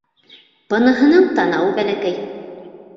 Быныһының танауы бәләкәй.